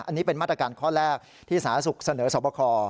อันนี้เป็นมาตรการข้อแรกที่สาธารณสุขเสนอสอบคอ